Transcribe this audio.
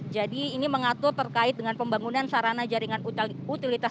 jadi ini mengatur terkait dengan pembangunan sarana jaringan utilitas